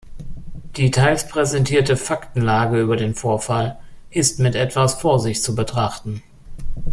Die teils präsentierte Faktenlage über den Vorfall ist mit etwas Vorsicht zu betrachten.